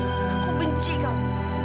aku benci kamu